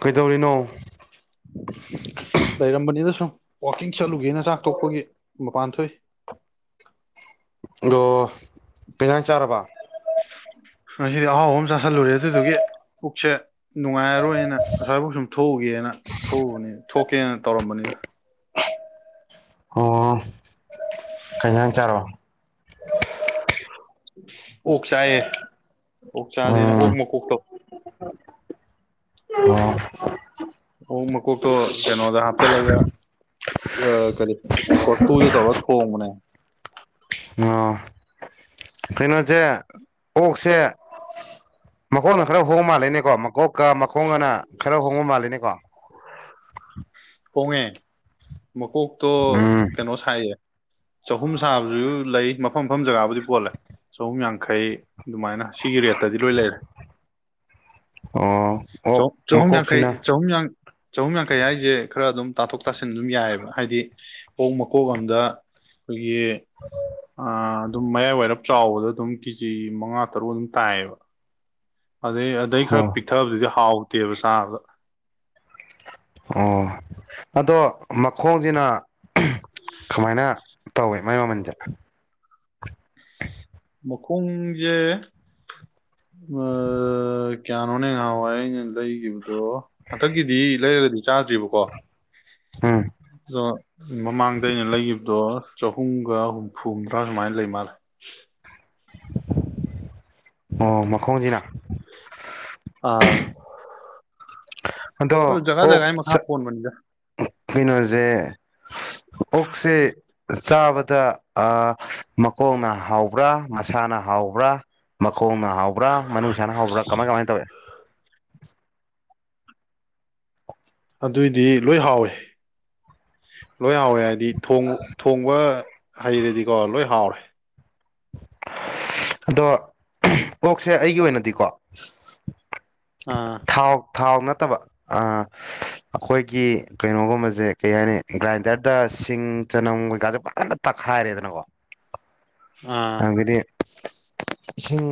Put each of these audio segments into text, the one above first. ꯀꯩꯗꯧꯔꯤꯅꯣ ꯂꯩꯔꯝꯕꯅꯤꯗ ꯁꯨꯝ ꯋꯥꯛꯀꯤꯡ ꯆꯠꯂꯨꯒꯦꯅ ꯆꯥꯛ ꯇꯣꯛꯄꯒꯤ ꯃꯄꯥꯟ ꯊꯣꯛꯏ ꯑꯗꯣ ꯀꯩꯖꯥꯡ ꯆꯥꯔꯕ ꯉꯁꯤꯗꯤ ꯑꯍꯥꯎꯕ ꯑꯝ ꯆꯥꯥꯁꯜꯂꯨꯔꯦ ꯑꯗꯨꯗꯨꯒꯤ ꯄꯨꯛꯁꯦ ꯅꯨꯡꯉꯥꯏꯔꯔꯣꯏꯅ ꯑꯁ꯭ꯋꯥꯏꯐꯥꯎ ꯁꯨꯝ ꯊꯣꯛꯎꯒꯦꯅ ꯊꯣꯛꯎꯕꯅꯤ ꯊꯣꯛꯀꯦꯅ ꯇꯧꯔꯝꯕꯅꯤꯗ ꯑꯣ ꯀꯩꯖꯥꯡ ꯆꯥꯔꯕ ꯑꯣꯛ ꯆꯥꯏꯌꯦ ꯑꯣꯛ ꯆꯥꯖꯦꯅ ꯎꯝ ꯑꯣꯛ ꯃꯀꯣꯛ ꯇꯣ [inaudible] ꯑꯣꯛ ꯃꯀꯣꯛꯇꯣ ꯀꯩꯅꯣꯗ ꯍꯥꯞꯆꯜꯂꯒ ꯑꯥ ꯀꯩꯅꯣ ꯀꯣꯔꯐꯨꯗ ꯇꯧꯔ ꯊꯣꯡꯕꯅꯦ ꯀꯩꯅꯣꯖꯦ ꯑꯣꯛꯁꯦ ꯃꯈꯣꯡꯅ ꯈꯔ ꯍꯣꯡ ꯃꯥꯜꯂꯦꯅꯦꯀꯣ ꯃꯀꯣꯛꯀ ꯃꯈꯣꯡꯒꯅ ꯈꯔ ꯍꯣꯡꯕ ꯃꯥꯜꯂꯦꯅꯦꯀꯣ [inaudible] ꯍꯣꯡꯉꯦ ꯃꯀꯣꯛꯇꯣ ꯎꯝ ꯀꯩꯅꯣ ꯁꯥꯏꯌꯦ ꯆꯍꯨꯝ ꯁꯥꯕꯗꯖꯨ ꯂꯩ ꯃꯐꯝ ꯃꯐꯝ ꯖꯒꯥꯕꯨꯗꯤ ꯄꯣꯜꯂꯦ ꯆꯍꯨꯝ ꯌꯥꯡꯈꯩ ꯗꯨꯃꯥꯏꯅ ꯁꯤꯒꯤ ꯔꯦꯠꯇꯗꯤ ꯂꯣꯏ ꯂꯩꯔꯦ ꯑꯣ ꯑꯣꯛ ꯆꯧ ꯆꯍꯨꯝ ꯌꯥꯡꯈꯩ ꯃꯀꯣꯛꯁꯤꯅ ꯆꯍꯨꯝ ꯌꯥꯡ ꯆꯍꯨꯝ ꯌꯥꯡꯈꯩ ꯍꯥꯏꯖꯦ ꯈꯔ ꯑꯗꯨꯝ ꯇꯥꯊꯣꯛ ꯇꯥꯁꯤꯟ ꯑꯗꯨꯝ ꯌꯥꯏꯑꯦꯕ ꯍꯥꯏꯗꯤ ꯑꯣꯛ ꯃꯀꯣꯛ ꯑꯝꯗ ꯑꯩꯈꯣꯏꯒꯤ ꯑꯥ ꯑꯗꯨꯝ ꯃꯌꯥꯏ ꯋꯥꯏꯔꯞ ꯆꯥꯎꯕꯗꯣ ꯗꯨꯝ ꯀꯦꯖꯤ ꯃꯉꯥ ꯇꯔꯨꯛ ꯑꯗꯨꯝ ꯇꯥꯏꯌꯦꯕ ꯑꯗꯩ ꯑꯗꯩ ꯈꯔ ꯑꯣ ꯄꯤꯛꯊꯕꯗꯨꯗꯤ ꯍꯥꯎꯇꯦꯕ ꯆꯥꯕꯗ ꯑꯣ ꯑꯗꯣ ꯃꯈꯣꯡꯖꯤꯅ ꯀꯃꯥꯏꯅ ꯇꯧꯋꯦ ꯃꯥꯏ ꯃꯃꯟꯖꯦ ꯃꯈꯣꯡꯖꯦ ꯑꯥ ꯀꯌꯥꯅꯣꯅꯦ ꯉꯍꯥꯋꯥꯏ ꯑꯩꯅ ꯂꯩꯒꯤꯕꯗꯣ ꯍꯟꯗꯛꯀꯤꯗꯤ ꯂꯩ ꯂꯩꯔꯒꯗꯤ ꯆꯥꯗ꯭ꯔꯤꯕꯀꯣ ꯎꯝ [unintelligible] ꯃꯃꯥꯡꯗ ꯑꯩꯅ ꯂꯩꯒꯤꯕꯗꯣ ꯆꯍꯨꯝꯒ ꯍꯨꯝꯐꯨ ꯍꯨꯝꯗ꯭ꯔꯥ ꯁꯨꯃꯥꯏ ꯂꯩ ꯃꯥꯜꯂꯦ ꯑꯣ ꯃꯈꯣꯡꯖꯤꯅ ꯑꯥ ꯑꯗꯣ ꯑꯗꯨ ꯖꯒꯥ ꯑꯣꯛ ꯖꯒꯥꯒꯤ ꯃꯈꯥ ꯆꯥ ꯄꯣꯟꯕꯅꯤꯗ ꯀꯩꯅꯣꯖꯦ ꯑꯣꯛꯁꯦ ꯆꯥꯕꯗ ꯑꯥ ꯃꯀꯣꯛꯅ ꯍꯥꯎꯕ꯭ꯔꯥ ꯃꯁꯥꯅ ꯍꯥꯎꯕ꯭ꯔꯥ ꯃꯛ ꯈꯣꯡꯅ ꯍꯥꯎꯕ꯭ꯔꯥ ꯃꯅꯨꯡꯁꯥꯅ ꯍꯥꯎꯕ꯭ꯔꯥ ꯀꯃꯥꯏ ꯀꯃꯥꯏ ꯇꯧꯋꯦ ꯑꯗꯨꯏꯗꯤ ꯂꯣꯏ ꯍꯥꯎꯋꯦ ꯂꯣꯏ ꯍꯥꯎꯋꯦ ꯍꯥꯏꯗꯤ ꯊꯣꯡ ꯊꯣꯡꯕ ꯍꯩꯔꯗꯤꯀꯣ ꯂꯣꯏ ꯍꯥꯎꯔꯦ ꯑꯗꯣ ꯑꯣꯛꯁꯦ ꯑꯩꯒꯤ ꯑꯣꯏꯅꯗꯤꯀꯣ ꯑꯥ ꯊꯥꯎ ꯊꯥꯎ ꯅꯠꯇꯕ ꯑ ꯑꯩꯈꯣꯏꯒꯤ ꯀꯩꯅꯣꯒꯨꯝꯕꯁꯦ ꯀꯩ ꯍꯥꯏꯅꯤ ꯒ꯭ꯔꯥꯏꯟꯗꯔꯗ ꯁꯤꯡ ꯆꯅꯝ ꯀꯩꯀꯥꯁꯦ ꯐꯖꯅ ꯇꯛꯈꯥꯏꯔꯦꯗꯅꯀꯣ ꯑꯥ ꯑꯗꯨꯗꯒꯤꯗꯤ ꯏꯁꯤꯡ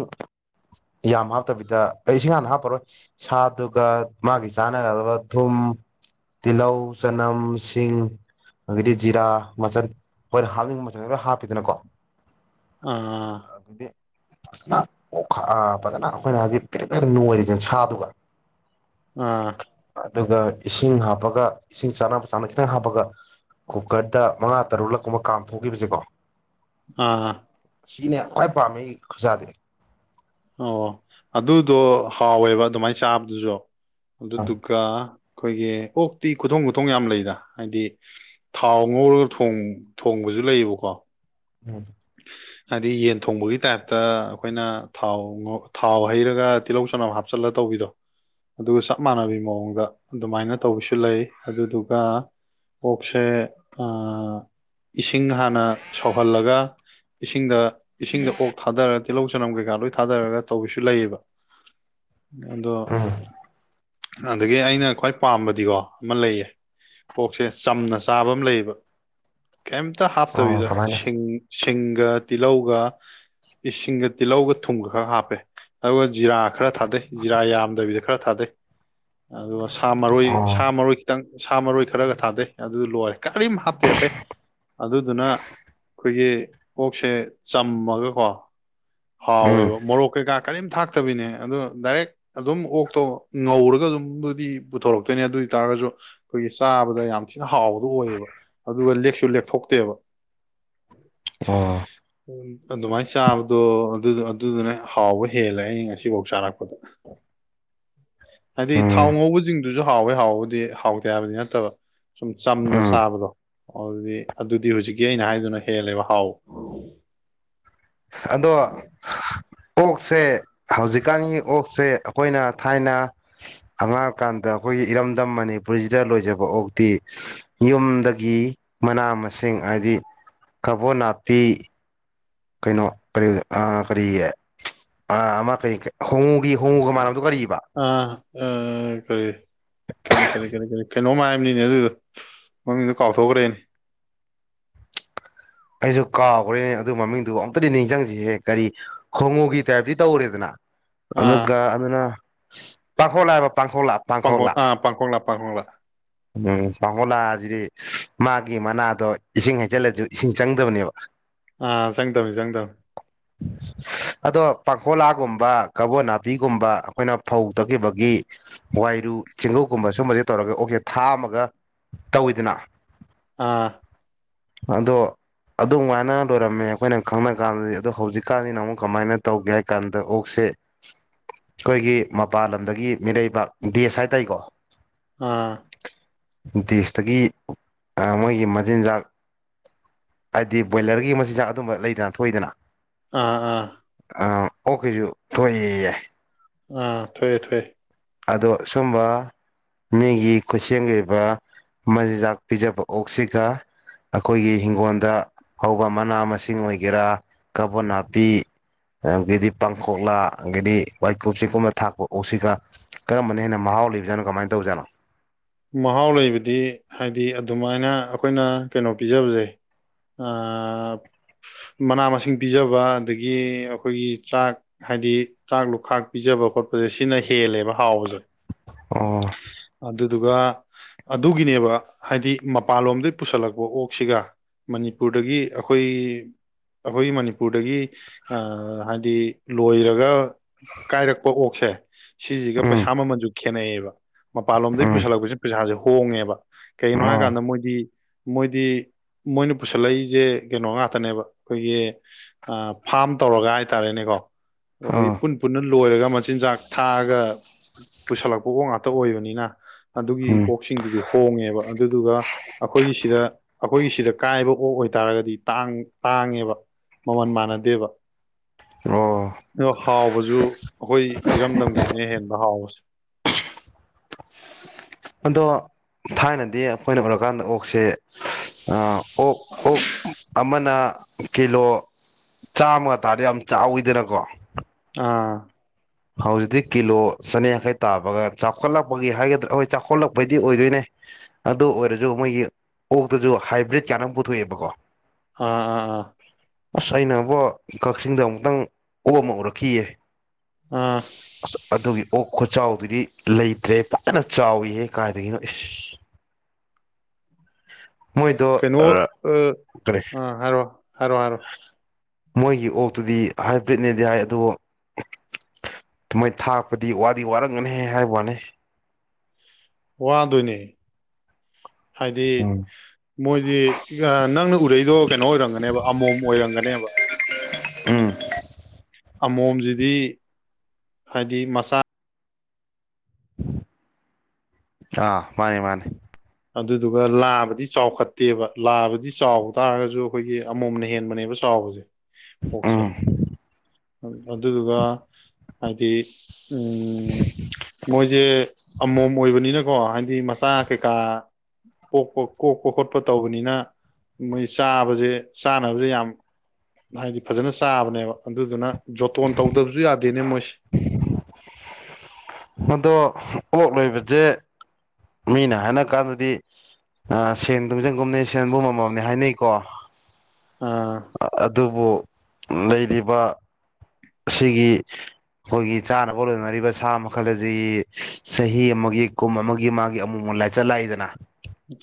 ꯌꯥꯝ ꯍꯥꯞꯇꯕꯤꯗ ꯑꯩ ꯏꯁꯤꯡ ꯍꯥꯟꯅ ꯍꯥꯞꯄꯔꯣꯏ ꯁꯥꯗꯨꯒ ꯃꯥꯒꯤ ꯆꯥꯅꯒꯗꯕ ꯊꯨꯝ ꯇꯤꯜꯍꯧ ꯆꯅꯝ ꯁꯤꯡ ꯑꯗꯩꯗꯤ ꯖꯤꯔꯥ ꯃꯆꯜ ꯑꯩꯈꯣꯏꯅ ꯍꯥꯞꯅꯤꯡꯕ ꯃꯆꯜ ꯂꯣꯏ ꯍꯥꯞꯄꯦꯗꯅꯀꯣ ꯑꯥ ꯐꯖꯅ ꯑꯣꯈꯥ ꯑ ꯐꯖꯅ ꯑꯩꯈꯣꯏꯅ ꯍꯧꯖꯤꯛ ꯄ꯭ꯔꯦꯛ ꯄ꯭ꯔꯦꯛ ꯅꯣꯏꯔꯦꯗꯅ ꯁꯥꯗꯨꯒ ꯑꯥ ꯑꯗꯨꯒ ꯏꯁꯤꯡ ꯍꯥꯞꯄꯒ ꯏꯁꯤꯡ ꯆꯥꯟꯅꯕ ꯆꯥꯡꯗ ꯈꯤꯇꯪ ꯍꯥꯞꯄꯒ ꯀꯨꯀ꯭ꯔꯗ ꯃꯉꯥ ꯇꯔꯨꯛꯂꯛ ꯀꯨꯝꯕ ꯀꯥꯝ ꯊꯣꯛꯈꯤꯕꯁꯤꯀꯣ ꯑꯥ ꯁꯤꯅꯦ ꯈ꯭ꯋꯥꯏ ꯄꯥꯝꯃꯦ ꯑꯩ ꯈꯨꯆꯥꯗꯤ ꯑꯣ ꯑꯗꯨꯗꯣ ꯍꯥꯎꯋꯦꯕ ꯑꯗꯨꯃꯥꯏꯅ ꯆꯥꯕꯗꯨꯖꯨ ꯎꯝ ꯑꯗꯨꯗꯨꯒꯥ ꯑꯩꯈꯣꯏꯒꯤ ꯑꯣꯛꯇꯤ ꯈꯨꯊꯣꯡ ꯈꯨꯊꯣꯡ ꯌꯥꯝ ꯂꯩꯗ ꯍꯥꯏꯗꯤ ꯊꯥꯎ ꯉꯧꯔꯒ ꯊꯣꯡ ꯊꯣꯡꯕ ꯖꯨ ꯂꯩꯌꯦꯕꯀꯣ ꯎꯝ ꯍꯥꯏꯗꯤ ꯌꯦꯟ ꯊꯣꯡꯕꯒꯤ ꯇꯥꯏꯞꯇ ꯑꯩꯈꯣꯏꯅ ꯊꯥꯎ ꯉꯧ ꯊꯥꯎ ꯍꯩꯔꯒ ꯇꯤꯜꯍꯧ ꯆꯅꯝ ꯍꯥꯞꯆꯜ ꯂ ꯇꯧꯕꯤꯗꯣ ꯑꯗꯨꯒ ꯆꯞ ꯃꯥꯟꯅꯕꯤ ꯃꯑꯣꯡꯗ ꯑꯗꯨꯃꯥꯏꯅ ꯇꯧꯕꯁꯨ ꯂꯩ ꯑꯗꯨꯗꯨꯒ ꯑꯣꯛꯁꯦ ꯑ ꯏꯁꯤꯡ ꯍꯥꯟꯅ ꯁꯧꯍꯜꯂꯒ ꯏꯁꯤꯡꯗ ꯏꯁꯤꯡꯗ ꯑꯣꯛ ꯊꯥꯗꯔ ꯇꯤꯜꯍꯧ ꯆꯅꯝ ꯀꯩꯀꯥ ꯂꯣꯏ ꯊꯥꯗꯔꯒ ꯇꯧꯕꯁꯨ ꯂꯩꯌꯦꯕ ꯑꯗꯣ ꯎꯝ ꯑꯗꯒꯤ ꯑꯩꯅ ꯈ꯭ꯋꯥꯏ ꯄꯥꯝꯕꯗꯤꯀꯣ ꯑꯃ ꯂꯩꯌꯦ ꯑꯣꯛꯁꯦ ꯆꯝꯅ ꯆꯥꯕ ꯑꯃ ꯂꯩꯌꯦꯕ ꯀꯩꯝꯇ ꯑꯣ ꯍꯥꯞꯇꯕꯤꯗ ꯀꯃꯥꯏꯅ ꯁꯤꯡ ꯁꯤꯡꯒ ꯇꯤꯜꯍꯧꯒ ꯏꯁꯤꯡꯒ ꯇꯤꯜꯍꯧꯒ ꯊꯨꯝꯒ ꯈꯔ ꯍꯥꯞꯄꯦ ꯑꯗꯨꯒ ꯖꯤꯔꯥ ꯈꯔ ꯊꯥꯗꯩ ꯖꯤꯔꯥ ꯌꯥꯝꯗꯕꯤꯗ ꯈꯔ ꯊꯥꯗꯩ ꯑꯗꯨꯒ ꯁꯥ ꯃꯔꯣꯏ ꯑꯣ ꯁꯥ ꯃꯔꯣꯏ ꯈꯤꯇꯪ ꯁꯥ ꯃꯔꯣꯏ ꯈꯔꯒ ꯊꯥꯗꯩ ꯑꯗꯨ ꯂꯣꯏꯔꯦ ꯀꯔꯤꯝ ꯍꯥꯞꯇꯦ ꯑꯇꯩ ꯑꯗꯨꯗꯨꯅ ꯈꯣꯏꯒꯤ ꯑꯣꯛꯁꯦ ꯆꯝꯃꯒꯀꯣ ꯎꯝ ꯍꯥꯎꯋꯦꯕ ꯃꯣꯔꯣꯛ ꯀꯩꯀꯥ ꯀꯔꯤꯝ ꯊꯥꯛꯇꯕꯤꯅꯦ ꯑꯗꯣ ꯗꯥꯏꯔꯦꯛ ꯑꯗꯨꯝ ꯑꯣꯛꯇꯣ ꯉꯧꯔꯒ ꯑꯗꯨꯝꯕꯨꯗꯤ ꯄꯨꯊꯣꯔꯛꯇꯣꯏꯅꯦ ꯑꯗꯨ ꯇꯥꯔꯒꯁꯨ ꯑꯩꯈꯣꯏꯒꯤ ꯆꯥꯕꯗ ꯌꯥꯝ ꯊꯤꯅ ꯍꯥꯎꯕꯗꯣ ꯑꯣꯏꯌꯦꯕ ꯑꯗꯨꯒ ꯂꯦꯛꯁꯨ ꯂꯦꯛꯊꯣꯛꯇꯦꯕ ꯑꯣ ꯑꯗꯨꯃꯥꯏꯟ ꯆꯥꯕ ꯑꯗꯣ ꯑꯗꯨꯗꯣ ꯑꯗꯨꯗꯨꯅ ꯍꯥꯎꯕ ꯍꯦꯜꯂꯦ ꯑꯩ ꯉꯁꯤꯐꯧ ꯆꯥꯔꯛꯄꯗ ꯍꯥꯏꯗꯤ ꯎꯝ ꯊꯥꯎ ꯉꯧꯕꯖꯤꯡꯗꯨꯁꯨ ꯍꯥꯎꯋꯦ ꯍꯥꯎꯕꯗꯤ ꯍꯥꯎꯇꯦ ꯍꯥꯏꯕꯗꯤ ꯅꯠꯇꯕ ꯁꯨꯝ ꯆꯝꯅ ꯎꯝ ꯆꯥꯕꯗꯣ ꯑꯗꯨꯗꯤ ꯑꯗꯨꯗꯤ ꯍꯧꯖꯤꯛꯀꯤ ꯑꯩꯅ ꯍꯥꯏꯗꯨꯅ ꯍꯦꯜꯂꯦꯕ ꯍꯥꯎ [inaudible] ꯑꯗꯣ ꯑꯣꯛꯁꯦ ꯍꯧꯖꯤꯛꯀꯥꯟꯒꯤ ꯑꯣꯛꯁꯦ ꯑꯩꯈꯣꯏꯅ ꯊꯥꯏꯅ ꯑꯉꯥꯡꯑꯣꯏꯔꯤꯀꯥꯟꯗ ꯑꯩꯈꯣꯏ ꯏ ꯏꯔꯝꯗꯝ ꯃꯅꯤꯄꯨꯔꯁꯤꯗ ꯂꯣꯏꯖꯕ ꯑꯣꯛꯇꯤ ꯌꯨꯝꯗꯒꯤ ꯃꯅꯥ ꯃꯁꯤꯡ ꯍꯥꯏꯗꯤ ꯀꯕꯣ ꯅꯥꯄꯤ ꯀꯩꯅꯣ ꯀꯔꯤ ꯑ ꯀꯔꯤ ꯌꯦ ꯑ ꯑꯃ ꯀꯔꯤ ꯍꯣꯡꯉꯨꯒꯤ ꯍꯣꯡꯉꯨꯒ ꯃꯥꯟꯅꯕꯗꯣ ꯀꯔꯤꯕ ꯑꯥ ꯀꯔꯤ ꯀꯔꯤ ꯀꯔꯤ ꯀꯔꯤ ꯀꯔꯤ ꯀꯩꯅꯣꯝ ꯍꯥꯏꯝꯅꯤꯅꯦ ꯑꯗꯨꯗꯣꯃꯃꯤꯡꯗꯨ ꯀꯥꯎꯊꯣꯛꯈ꯭ꯔꯦꯅꯦ INAUDIBLE ꯑꯩꯁꯨ ꯀꯥꯎꯈꯒ꯭ꯔꯦ ꯑꯗꯨ ꯃꯃꯤꯡꯗꯨ ꯑꯝꯨꯛꯇꯗꯤ ꯅꯤꯡꯖꯤꯡꯖꯤꯍꯦ ꯀꯔꯤ ꯍꯣꯡꯉꯨꯒꯤ ꯇꯥꯏꯞꯇꯤ ꯇꯧꯔꯦꯗꯅ ꯑꯥ ꯑꯗꯨꯒ ꯑꯃꯅ ꯄꯥꯡꯈꯣꯛꯂꯥ ꯍꯥꯏꯕ ꯄꯥꯡꯈꯣꯛꯂꯥ ꯄꯥꯡꯈꯣꯛꯂꯥ ꯄꯥꯡꯈꯣꯛ ꯑꯥ ꯄꯥꯡꯈꯣꯛꯂꯥ ꯄꯥꯡꯈꯣꯛꯂꯥ ꯎꯝ ꯄꯥꯡꯈꯣꯛꯂꯥꯁꯤꯗꯤ ꯃꯥꯒꯤ ꯃꯅꯥꯗꯣ ꯏꯁꯤꯡ ꯍꯩꯖꯜꯂꯖꯨ ꯏꯁꯤꯡ ꯆꯪꯗꯕꯅꯦꯕ ꯑꯥ ꯆꯪꯗꯕꯅꯤ ꯆꯪꯗꯕꯅꯤ INAUDIBLE ꯑꯗꯣ ꯄꯥꯡꯈꯣꯂꯥꯒꯨꯝꯕ ꯀꯕꯣ ꯅꯥꯄꯤꯒꯨꯝꯕ ꯑꯩꯈꯣꯏꯅ ꯐꯧ ꯇꯛꯈꯤꯕꯒꯤ ꯋꯥꯏ ꯔꯨ ꯆꯦꯡꯀꯨꯞꯀꯨꯝꯕ ꯁꯨꯝꯕꯁꯦ ꯇꯧꯔꯒ ꯑꯣꯛꯁꯦ ꯊꯥꯛ ꯑꯃꯒ ꯇꯧꯋꯤꯗꯅ ꯑꯥꯑꯥ ꯑꯗꯣ ꯑꯗꯨ ꯃꯥꯏꯅ ꯂꯣꯏꯔꯝꯃꯦ ꯑꯩꯈꯣꯏꯅ ꯈꯪꯅ ꯀꯥꯟꯗꯗꯤ ꯑꯗꯣ ꯍꯧꯖꯤꯛꯀꯥꯟꯖꯤꯅ ꯑꯃꯨꯛ ꯀꯃꯥꯏꯅ ꯇꯧꯒꯦ ꯍꯥꯏ ꯀꯥꯟꯗ ꯑꯣꯛꯁꯦ ꯑꯩꯈꯣꯏꯒꯤ ꯃꯄꯥꯟ ꯂꯝꯗꯒꯤ ꯃꯤꯔꯩꯕꯥꯛ ꯗꯦꯁ ꯍꯥꯏ ꯇꯥꯏꯀꯣ ꯑꯥ ꯗꯦꯁꯇꯒꯤ ꯑꯥ ꯃꯣꯏꯒꯤ ꯃꯆꯤꯟꯖꯥꯛ ꯍꯥꯏꯗꯤ ꯕꯣꯏꯂꯔꯒꯤ ꯃꯆꯤꯟꯖꯥꯛ ꯑꯗꯨꯝꯕ ꯂꯩꯗꯅ ꯊꯣꯛꯏꯗꯅ ꯑꯥ ꯑꯥ ꯑꯥ ꯑꯣꯛ ꯀꯤꯖꯨ ꯊꯣꯛꯑꯦ ꯌꯦ ꯑꯥ ꯊꯣꯛꯑꯦ ꯊꯣꯛꯑꯦ ꯑꯗꯣ ꯁꯨꯝꯕꯥ ꯃꯤꯒꯤ ꯈꯨꯠꯁꯦꯝꯒꯤ ꯑꯣꯢꯕ ꯃꯆꯤꯟꯖꯥꯛ ꯄꯤꯖꯕ ꯑꯣꯛꯁꯤꯒ ꯑꯩꯈꯣꯏꯒꯤ ꯍꯤꯡꯒꯣꯜꯗ ꯍꯧꯕ ꯃꯅꯥ- ꯃꯁꯤꯡ ꯑꯣꯏꯒꯦꯔꯥ ꯀꯕꯣ ꯅꯥꯄꯤ ꯑꯗꯒꯤꯗꯤ ꯄꯥꯡꯈꯣꯛꯂꯥ ꯑꯗꯒꯤꯗꯤ ꯋꯥꯏꯀꯨꯞ- ꯆꯦꯡꯀꯨꯞꯅ ꯊꯥꯛꯄ ꯑꯣꯛꯁꯤꯒ ꯀꯔꯝꯕꯅ ꯍꯦꯟꯅ ꯃꯍꯥꯎ ꯍꯥꯎꯂꯩꯕꯥ ꯖꯥꯠꯂꯣ ꯀꯃꯥꯏ ꯇꯧꯖꯥꯠꯅꯣ ꯃꯍꯥꯎ ꯂꯩꯕꯗꯤ ꯍꯥꯏꯗꯤ ꯑꯗꯨꯃꯥꯏꯅ ꯑꯩꯈꯣꯏꯅ ꯀꯩꯅꯣ ꯄꯤꯖꯕꯖꯦ ꯑꯥꯑꯥ ꯃꯅꯥ- ꯃꯁꯤꯡ ꯄꯤꯖꯕ ꯑꯗꯒꯤ ꯑꯩꯈꯣꯏꯒꯤ ꯆꯥꯛ ꯍꯥꯏꯗꯤ ꯆꯥꯛ ꯂꯨꯈꯥꯛ ꯄꯤꯖ ꯄꯤꯖꯕ-ꯈꯣꯠꯄꯖꯦ ꯁꯤꯅ ꯍꯦꯜꯂꯦꯕ ꯍꯥꯎꯕꯖꯦ ꯑꯣ ꯑꯗꯨꯗꯨꯒ ꯑꯗꯨꯒꯤꯅꯦꯕ ꯍꯥꯏꯗꯤ ꯃꯄꯥꯟꯂꯣꯝꯗꯒꯤ ꯄꯨꯁꯜꯂꯛꯄ ꯑꯣꯛꯁꯤꯒ ꯃꯅꯤꯄꯨꯔꯗꯒꯤ ꯑꯩꯈꯣꯏ ꯑꯩꯈꯣꯏꯒꯤ ꯃꯅꯤꯄꯨꯔꯗꯒꯤ ꯑꯥ ꯍꯥꯏꯗꯤ ꯂꯣꯏꯔꯒ ꯀꯥꯏꯔꯛꯄ ꯑꯣꯛꯁꯦ ꯁꯤꯖꯤꯒ ꯎꯝ ꯄꯩꯁꯥ ꯃꯃꯜꯖꯨ ꯈꯦꯠꯅꯩꯑꯦꯕ ꯃꯄꯥꯜ ꯗꯒꯤ ꯎꯝ ꯄꯨꯁꯜꯂꯛꯄꯖꯤꯅ ꯄꯩꯁꯥꯖꯦ ꯍꯣꯡꯉꯦꯕ ꯀꯩꯒꯤꯅꯣ ꯑꯣ ꯍꯥꯏꯀꯥꯟꯗ ꯃꯣꯏꯗꯤ ꯃꯣꯏꯗꯤ ꯃꯣꯏꯅ ꯄꯨꯁꯜꯂꯛꯏꯖꯦ ꯀꯩꯅꯣ ꯉꯥꯛꯇꯅꯦꯕ ꯑꯩꯈꯣꯏꯒꯤ ꯐꯥꯝ ꯇꯧꯔꯒ ꯍꯥꯏꯇꯥꯔꯦꯅꯦꯀꯣ ꯑꯩꯈꯣꯏ ꯑꯣ ꯄꯨꯟ- ꯄꯨꯟꯅ ꯂꯣꯏꯔꯒ ꯃꯆꯤꯟꯖꯥꯛ ꯊꯥꯛꯑꯒ ꯄꯨꯁꯜꯂꯛꯄ ꯑꯣꯛ ꯉꯥꯛꯇ ꯑꯣꯏꯕꯅꯤꯅ ꯑꯗꯨꯒꯤ ꯎꯝ ꯑꯣꯛꯁꯤꯡꯗꯨꯗꯤ ꯍꯣꯡꯉꯦꯕ ꯑꯗꯨꯗꯨꯒ ꯑꯩꯈꯣꯏꯒꯤ ꯁꯤꯗ ꯑꯩꯈꯣꯏꯒꯤ ꯁꯤꯗ ꯀꯥꯏꯕ ꯑꯣꯛ ꯑꯣꯏ ꯑꯣꯢ ꯇꯥꯔꯒꯗꯤ ꯇꯥꯡ- ꯇꯥꯡꯉꯦꯕ ꯃꯃꯜ ꯃꯥꯟꯅꯗꯦꯕ ꯑꯣ ꯑꯗꯣ ꯍꯥꯎꯕꯖꯨ ꯑꯩꯈꯣꯏ ꯏꯔꯝꯗꯝꯒꯤꯖꯤꯅ ꯍꯦꯟꯕ ꯍꯥꯎꯕꯁꯤ ꯑꯗꯣ ꯊꯥꯏꯅꯗꯤ ꯑꯩꯈꯣꯏꯅ ꯎꯔꯀꯥꯟꯗ ꯑꯣꯛꯁꯦ ꯑ ꯥꯑꯣꯛ ꯑꯣꯛ ꯑꯃꯅ ꯀꯤꯂꯣ ꯆꯥꯝꯃꯒ ꯇꯥꯔꯗꯤ ꯌꯥꯝ ꯆꯥꯎꯋꯤꯗꯅꯀꯣ ꯑꯥꯑꯥ ꯍꯧꯖꯤꯛꯇꯤ ꯀꯤꯂꯣ ꯆꯅꯤ ꯌꯥꯡꯈꯩ ꯇꯥꯕꯒ ꯆꯥꯎꯈꯠꯂꯛꯄꯒꯤ ꯍꯥꯏꯒꯗ꯭ꯔꯥ ꯍꯣꯏ ꯆꯥꯎꯈꯠꯂꯛꯄꯩꯗꯤ ꯑꯣꯏꯗꯣꯏꯅꯦ ꯑꯗꯨ ꯑꯣꯏꯔꯖꯨꯓ ꯃꯣꯏꯒꯤ ꯑꯣꯛꯇꯖꯨ ꯍꯥꯏꯕ꯭ꯔꯤꯠ ꯀꯥꯏꯅ ꯄꯨꯊꯣꯛꯑꯦꯕꯀꯣ ꯑꯥ ꯑꯥ ꯑꯥ ꯑꯁ ꯑꯩꯅꯕꯨ ꯀꯛꯆꯤꯡꯗ ꯑꯃꯨꯛꯇꯪ ꯑꯣꯛ ꯑꯃ ꯎꯔꯛꯈꯤꯌꯦ ꯑꯥ ꯈꯨꯆꯥꯎꯗꯨꯗꯤ ꯂꯩꯇ꯭ꯔꯦ ꯐꯖꯅ ꯆꯥꯎꯋꯤꯍꯦ ꯀꯥꯏꯗꯒꯤꯅꯣ ꯏꯁ [inaudible] ꯃꯣꯏꯗꯣ ꯀꯩꯅꯣ ꯑ ꯀꯔꯤ ꯑ ꯍꯥꯏꯔꯣ ꯍꯥꯏꯔꯣ ꯍꯥꯏꯔꯣ ꯃꯣꯏꯒꯤ ꯑꯣꯛꯇꯨꯗꯤ ꯍꯥꯏꯕ꯭ꯔꯤꯠꯅꯦꯗꯤ ꯍꯥꯏ ꯑꯗꯨꯕꯨ ꯑꯗꯨꯃꯥꯏꯅ ꯊꯥꯛꯄꯗꯤ ꯋꯥꯗꯤ ꯋꯥꯔꯝꯒꯅꯤꯍꯦ ꯍꯥꯏꯕ ꯋꯥꯅꯤ ꯋꯥꯗꯣꯏꯅꯦ ꯍꯥꯏꯗꯤ ꯎꯝ ꯃꯣꯏꯗꯤ ꯅꯪꯅ ꯎꯔꯛꯏꯗꯣ ꯀꯩꯅꯣ ꯑꯣꯏꯔꯝꯒꯅꯦꯕ ꯑꯃꯣꯝ ꯑꯣꯏꯔꯝꯒꯅꯦꯕ ꯎꯝ ꯑꯃꯣꯝꯖꯤꯗꯤ ꯍꯥꯏꯗꯤ ꯃꯆꯥ ꯑꯥ ꯃꯥꯅꯤ ꯃꯥꯅꯤ ꯑꯗꯨꯗꯨꯒ ꯂꯥꯕꯗꯤ ꯆꯥꯎꯈꯠꯇꯦꯕ ꯂꯥꯕꯗꯤ ꯆꯥꯎ ꯇꯥꯔꯒꯁꯨ ꯑꯩꯈꯣꯏꯒꯤ ꯑꯃꯣꯝꯅ ꯍꯦꯟꯕꯅꯦꯕ ꯆꯥꯎꯕꯁꯦ ꯑꯣꯛꯁꯦ ꯎꯝ ꯑꯗꯨꯗꯨꯒ ꯍꯥꯏꯗꯤ ꯎꯝ ꯃꯣꯏꯖꯦ ꯑꯃꯣꯝ ꯑꯣꯏꯕꯅꯤꯅꯀꯣ ꯍꯥꯏꯗꯤ ꯃꯆꯥ ꯀꯩꯀꯥ ꯄꯣꯛꯄ ꯀꯣꯛꯄ ꯈꯣꯠꯄ ꯇꯧꯕꯅꯤꯅ ꯃꯣꯏ ꯆꯥꯕꯁꯦ ꯆꯥꯅꯕꯁꯦ ꯌꯥꯝ ꯍꯥꯏꯗꯤ ꯐꯖꯅ ꯆꯥꯕꯅꯦꯕ ꯑꯗꯨꯗꯨꯅ ꯖꯣꯇꯣꯟ ꯇꯧꯗꯕꯁꯨ ꯌꯥꯗꯦꯅꯦ ꯃꯣꯏꯁꯤ ꯃꯗꯣ ꯑꯣꯛ ꯂꯣꯏꯕꯁꯦ ꯃꯤꯅ ꯍꯥꯏꯅ ꯀꯥꯟꯗꯗꯤ ꯁꯦꯟ ꯇꯨꯡꯖꯟꯒꯨꯝꯕꯅꯤ ꯁꯦꯟꯕꯨꯝ ꯑꯃꯃꯝꯅꯤ ꯍꯥꯏꯅꯩꯀꯣ ꯑꯥ ꯑꯗꯨꯕꯨ ꯂꯩꯔꯤꯕ ꯑꯁꯤꯒꯤ ꯑꯩꯈꯣꯏꯒꯤ ꯆꯥꯅꯕ ꯂꯣꯏꯅꯔꯤꯕ ꯁꯥ ꯃꯈꯜ ꯑꯁꯤ ꯆꯍꯤ ꯑꯃꯒꯤ ꯀꯨꯝ ꯑꯃꯒꯤ ꯃꯥꯒꯤ ꯑꯃꯨꯛ ꯂꯥꯢ ꯆꯠ ꯂꯥꯛꯏꯗꯅ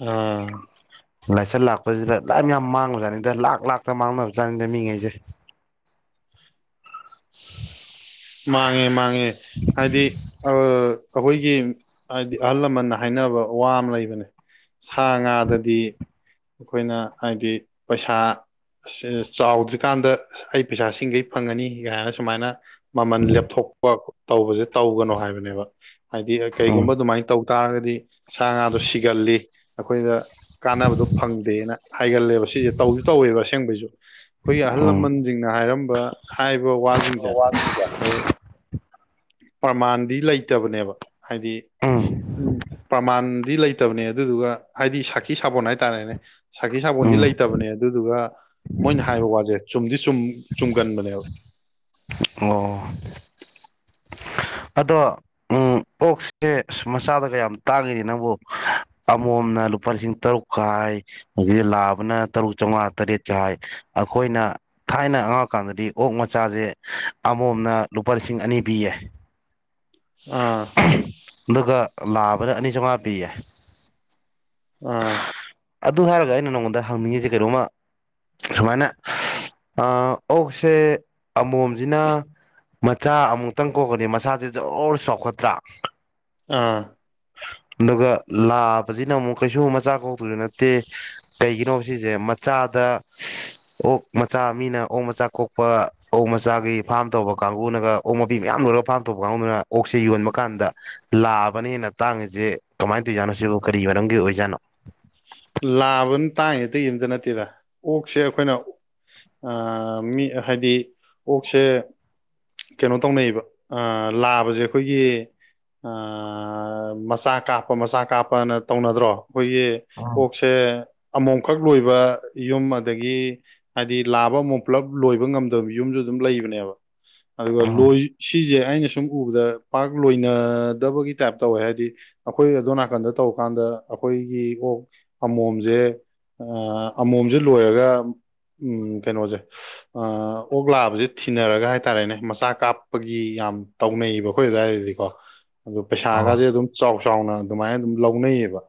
ꯑꯥ ꯂꯥꯏꯁꯠ ꯂꯥꯛꯄꯁꯤꯗ ꯂꯥꯏꯃ ꯌꯥꯝ ꯃꯥꯡꯒ꯭ꯔꯖꯥꯠꯅꯤꯗ ꯂꯥꯛ ꯂꯥꯛꯇ ꯃꯥꯡꯅꯕꯖꯥꯠꯅꯤꯗ ꯃꯤꯉꯩꯁꯦ [inaudible] [inaudible] ꯃꯥꯡꯉꯦ ꯃꯥꯡꯉꯦ ꯍꯥꯏꯗꯤ ꯑ ꯑꯈꯣꯏꯒꯤ ꯍꯥꯏꯗꯤ ꯑꯍꯜ ꯂꯃꯟꯅ ꯍꯥꯏꯅꯕ ꯋꯥ ꯑꯃ ꯂꯩꯕꯅꯦ ꯁꯥ ꯉꯥꯗꯗꯤ ꯑꯩꯈꯣꯏꯅ ꯍꯥꯏꯗꯤ ꯄꯩꯁꯥ ꯑꯁ ꯆꯥꯎꯗ꯭ꯔꯤꯀꯥꯟꯗ ꯑꯩ ꯄꯩꯁꯥ ꯁꯤꯡꯒꯩ ꯐꯪꯉꯅꯤ ꯒꯥ ꯍꯥꯏꯅ ꯁꯨꯃꯥꯏꯅ ꯃꯃꯜ ꯂꯦꯞꯊꯣꯛꯄ ꯇꯧꯕꯁꯦ ꯇꯧꯒꯅꯣ ꯍꯥꯏꯕꯅꯦꯕ ꯍꯥꯏꯗꯤ ꯎꯝ ꯀꯩꯒꯨꯝꯕ ꯑꯗꯨꯃꯥꯏꯅ ꯇꯧ ꯇꯥꯔꯒꯗꯤ ꯁꯥ ꯉꯥꯗꯣ ꯁꯤꯒꯜꯂꯤ ꯑꯩꯈꯣꯏꯗ ꯀꯥꯟꯅꯕꯗꯣ ꯐꯪꯗꯦꯅ ꯍꯥꯏꯒꯜꯂꯦꯕ ꯁꯤꯖꯦ ꯇꯧꯁꯨ ꯇꯧꯋꯦꯕ ꯑꯁꯦꯡꯕꯩꯁꯨ ꯑꯩꯈꯣꯏꯒꯤ ꯑꯍꯜ ꯎꯝ ꯂꯃꯟꯁꯤꯡꯅ ꯍꯥꯏꯔꯝꯕ ꯍꯥꯏꯕ ꯋꯥꯁꯤꯡꯁꯦ ꯑꯈꯣꯏ ꯄ꯭ꯔꯃꯥꯟꯗꯤ ꯂꯩꯇꯕꯅꯦꯕ ꯍꯥꯏꯗꯤ ꯎꯝ ꯎꯝ ꯄ꯭ꯔꯃꯥꯟ ꯗꯤ ꯂꯩꯇꯕꯅꯦ ꯑꯗꯨꯗꯨꯒ ꯍꯥꯏꯗꯤ ꯁꯥꯈꯤ ꯁꯥꯕꯣꯟ ꯍꯥꯏꯇꯥꯔꯦꯅꯦ ꯁꯈꯤ ꯁꯥꯕꯣꯟꯗꯤ ꯎꯝ ꯂꯩꯇꯕꯅꯦ ꯑꯗꯨꯗꯨꯒ ꯃꯣꯏꯅ ꯍꯥꯏꯕ ꯋꯥꯁꯦ ꯆꯨꯝꯗꯤ ꯆꯨꯝ ꯆꯨꯝꯒꯟꯕꯅꯦꯕ ꯑꯣ ꯑꯗꯣ ꯎꯝ ꯑꯣꯛꯁꯦ ꯑꯁ ꯃꯆꯥꯗ ꯀꯌꯥꯝ ꯇꯥꯡꯉꯤꯅꯤ ꯅꯪꯕꯨ ꯑꯃꯣꯝꯅ ꯂꯨꯄꯥ ꯂꯤꯁꯤꯡ ꯇꯔꯨꯛꯀ ꯍꯥꯢ ꯑꯩ ꯌꯦꯟ ꯥꯕꯅ ꯇꯔꯨꯛ ꯆꯧꯉꯥ ꯇꯔꯦꯠ ꯀ ꯍꯥꯏ ꯑꯈꯣꯏꯅ ꯊꯥꯏꯅ ꯑꯉꯥꯡ ꯑꯣꯢꯀꯥꯟꯗꯗꯤ ꯑ [unintelligible] ꯑꯣꯛ ꯃꯆꯥꯖꯦ ꯑꯃꯣꯝꯅ ꯂꯨꯄꯥ ꯂꯤꯁꯤꯡ ꯑꯅꯤ ꯄꯤꯌꯦ ꯑꯥ ꯑꯗꯨꯒ ꯂꯥꯕꯅ ꯑꯅꯤ ꯆꯧꯉꯥ ꯄꯤꯌꯦ ꯑꯥ ꯑꯗꯨ ꯍꯥꯏꯔꯒ ꯑꯩꯅ ꯅꯪꯉꯣꯟꯗ ꯍꯪꯅꯤꯡꯉꯤꯖꯦ ꯀꯩꯅꯣꯝꯃ ꯁꯨꯃꯥꯏꯅ ꯑ ꯑꯣꯛꯁꯦ ꯑꯃꯣꯝꯖꯤꯅ ꯃꯆꯥ ꯑꯃꯨꯛꯇꯪ ꯀꯣꯛꯈ꯭ꯔꯗꯤ ꯃꯆꯁꯥꯖꯦ ꯖꯣꯔ ꯔꯣ ꯆꯥꯎꯈꯠꯇ꯭ꯔ ꯑꯥ ꯑꯗꯨꯒ ꯂꯥꯕꯖꯤꯅ ꯑꯃꯨꯛ ꯀꯩꯁꯨ ꯃꯆꯥ ꯀꯣꯛꯇꯧꯖꯨ ꯅꯠꯇꯦ ꯀꯩꯒꯤꯅꯣꯕ ꯁꯤꯖꯦ ꯃꯆꯥꯗ ꯑꯣꯛ ꯃꯆꯥ ꯃꯤꯅ ꯑꯣꯛ ꯃꯆꯥ ꯀꯣꯛꯄ ꯑꯣꯛ ꯃꯆꯥꯒꯤ ꯐꯥꯔꯝ ꯇꯧꯕ ꯀꯥꯡꯕꯨꯅꯒ ꯑꯣꯛ ꯃꯄꯤ ꯃꯌꯥꯝ ꯂꯣꯏꯔꯒ ꯐꯥꯝ ꯇꯧꯕ ꯀꯥꯡꯕꯨꯗꯨꯅ ꯑꯣꯛꯁꯦ ꯌꯣꯟꯕ ꯀꯥꯟꯗ ꯂꯥꯕꯅ ꯍꯦꯟꯅ ꯇꯥꯡꯉꯤꯖꯦ ꯀꯃꯥꯏ ꯇꯧꯔꯤꯖꯥꯠꯅꯣ ꯁꯤꯕꯨ ꯀꯔꯤ ꯃꯔꯝꯒꯤ ꯑꯣꯏꯖꯥꯠꯅꯣ ꯂꯥꯕꯅ ꯇꯥꯡꯉꯤꯖꯤ ꯑꯇꯩꯒꯤ ꯑꯝꯇ ꯅꯠꯇꯦꯗ ꯑꯣꯛꯁꯦ ꯑꯩꯈꯣꯏꯅ ꯑ ꯃꯤ ꯍꯥꯏꯗꯤ ꯑꯣꯛꯁꯦ ꯀꯩꯅꯣ ꯇꯧꯅꯩꯕ ꯑ ꯂꯥꯕꯖꯦ ꯑꯩꯈꯣꯏꯒꯤ ꯑ ꯃꯆꯥ ꯀꯥꯞꯄ ꯃꯆꯥ ꯀꯥꯞꯄꯅ ꯇꯧꯅꯗ꯭ꯔꯣ ꯑꯩꯈꯣꯏꯒꯤ ꯑꯣꯛꯁꯦ [inaudible] ꯑꯃꯣꯝꯈꯛ ꯂꯣꯏꯕ ꯌꯨꯝ ꯑꯗꯒꯤ ꯍꯥꯏꯗꯤ ꯂꯥꯕ ꯑꯃꯣꯝ ꯄꯨꯂꯞ ꯂꯣꯏꯕ ꯉꯝꯗꯕ ꯌꯨꯝꯖꯨ ꯑꯗꯨꯝ ꯂꯩꯕꯅꯦꯕ ꯑꯗꯨꯒ ꯑꯧ ꯂꯣꯏ ꯁꯤꯖꯦ ꯑꯩꯅ ꯁꯨꯝ ꯎꯕꯗ ꯄꯥꯛ ꯂꯣꯏꯅꯗꯕꯒꯤ ꯇꯥꯏꯞ ꯇꯧꯋꯦ ꯍꯥꯏꯗꯤ ꯑꯩꯈꯣꯏ ꯑꯗꯣꯟ ꯅꯥꯀꯟꯗ ꯇꯧꯀꯥꯟꯗ ꯗ ꯑꯩꯈꯣꯏꯒꯤ ꯑꯣꯛ ꯑꯃꯣꯝꯖꯦ ꯑꯃꯣꯝꯖꯦ ꯂꯣꯏꯔꯒ ꯎꯝ ꯀꯩꯅꯣꯁꯦ ꯑ ꯑꯣꯛ ꯂꯥꯕꯖꯦ ꯊꯤꯅꯔꯒ ꯍꯥꯏꯇꯥꯔꯦꯅꯦ ꯃꯆꯥ ꯀꯥꯞꯄꯒꯤ ꯌꯥꯝ ꯇꯧꯅꯩꯑꯕ ꯑꯩꯈꯣꯏ ꯑꯗꯨꯋꯥꯏꯗꯗꯤꯀꯣ ꯑꯗꯣ ꯑꯧ ꯄꯩꯁꯥꯒꯖꯦ ꯑꯗꯨꯝ ꯆꯥꯎ ꯆꯥꯎꯅ ꯑꯗꯨꯃꯥꯏ ꯑꯗꯨꯝ ꯂꯧꯅꯩꯑꯕ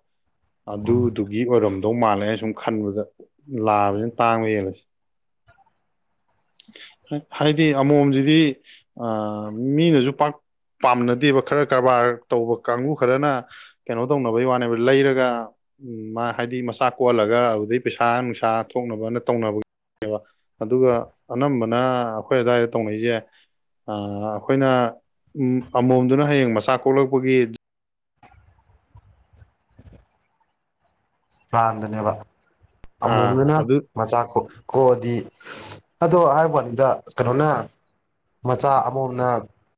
ꯑꯗꯨ ꯎꯝ ꯑꯣꯏꯔꯝꯗꯧ ꯃꯥꯜꯂꯦ ꯑꯩꯅ ꯁꯨꯝ ꯈꯟꯕꯗ ꯂꯥꯕꯖꯤꯅ ꯇꯥꯡꯕ ꯍꯦꯜꯂꯤꯖꯦ ꯍꯥꯏꯗꯤ ꯑꯃꯣꯝꯖꯤꯗꯤ ꯑ ꯃꯤꯅꯖꯨ ꯄꯥꯛ ꯄꯥꯝꯅꯗꯦꯕ ꯈꯔ ꯀꯔꯕꯥꯔ ꯇꯧꯕ ꯀꯥꯡꯕꯨ ꯈꯔꯅ ꯀꯩꯅꯣ ꯇꯧꯅꯕꯩ ꯋꯥꯅꯦꯕ ꯂꯩꯔꯒ ꯎꯝ ꯃꯥ ꯍꯥꯏꯗꯤ ꯃꯆꯥ ꯀꯣꯍꯜꯂꯒ ꯑꯗꯨꯗꯩ ꯄꯩꯁꯥ ꯅꯨꯡꯁꯥ ꯊꯣꯛꯅꯕꯅ ꯇꯧꯅꯕꯒꯤ ꯕ ꯑꯗꯨꯒ ꯑꯅꯝꯕꯅ ꯑꯩꯈꯣꯏ ꯑꯗꯥꯏꯗ ꯇꯧꯅꯩꯖꯦ ꯑ ꯑꯩꯈꯣꯏꯅ ꯎꯝ ꯑꯃꯣꯝꯗꯨꯅ ꯍꯌꯦꯡ ꯃꯆꯥ ꯀꯣꯛꯂꯛꯄꯒꯤ ꯄ꯭ꯂꯥꯟꯗꯅꯦꯕ ꯑꯥ ꯑꯃꯣꯝꯗꯨꯅ ꯑꯗꯨ ꯃꯆꯥ ꯀꯣꯛ ꯀꯣꯛꯑꯗꯤ ꯑꯗꯣ ꯍꯥꯏꯕꯋꯥꯅꯤꯗ ꯀꯩꯅꯣꯅ ꯃꯆꯥ ꯑꯃꯣꯝꯅ